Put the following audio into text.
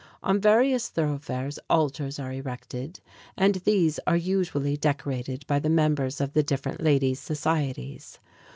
On various thoroughfares, altars are erected, and these are usually decorated by the members of the different ladies' societies.